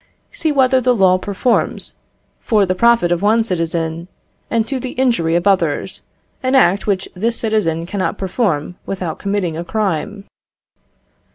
See whether the law performs, for the profit of one citizen, and, to the injury of others, an act which this citizen cannot perform without committing a crime.